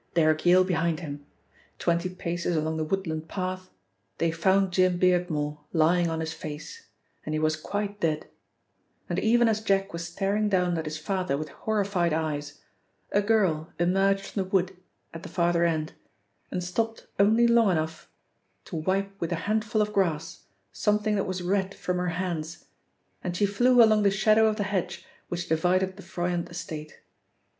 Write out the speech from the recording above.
Derrick Yale behind him. Twenty paces along the woodland path they found Jim Beardmore lying on his face, and he was quite dead, and even as Jack was staring down at his father with horrified eyes, a girl emerged from the wood at the farther end, and stopping only long enough to wipe with a handful of grass something that was red from her hands, she flew along the shadow of the hedge which divided the Froyant estate.